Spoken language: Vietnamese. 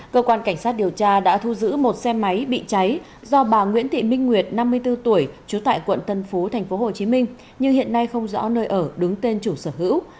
cơ quan cảnh sát điều tra đã thu giữ một xe máy bị cháy do bà nguyễn thị minh nguyệt năm mươi bốn tuổi trú tại quận tân phú tp hcm nhưng hiện nay không rõ nơi ở đứng tên chủ sở hữu